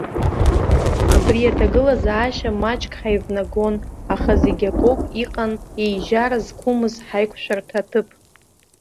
Абри аҭагылазаашьа маҷк ҳаивнагон, аха зегьакоуп, иҟан еижьара зқәымыз ҳаиқәшәарҭа аҭыԥ.